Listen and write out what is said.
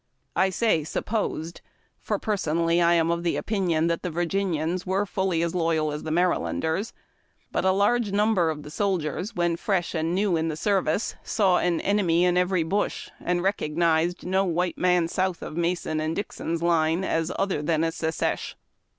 I say supposed., for personally I am of the opinion that the Virginians were fully as loyal as the Marylanders. But a large number of the soldiers when fresh and new in the service saw an enemy in every bush, and recognized no white man south of Mason and Dixon's line as other than a "secesh."